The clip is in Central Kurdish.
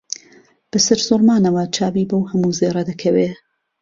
بەسەر سووڕمانەوە چاوی بەو هەموو زێڕە دەکەوێ